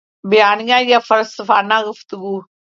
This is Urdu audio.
بیانیہ یا فلسفانہ گفتگو